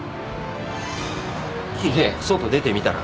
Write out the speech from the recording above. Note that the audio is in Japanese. で外出てみたら。